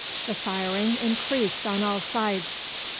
The firing increased on all sides.